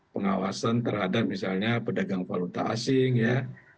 pengawasan terhadap misalnya pedagang valuta asing ya